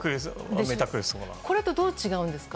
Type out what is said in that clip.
これとどう違うんですか？